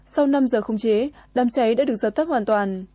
sau năm giờ không chế đám cháy đã được dập tắt hoàn toàn